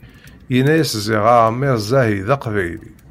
Yenna-yas ziɣ Ɛmer Zzahi d aqbayli!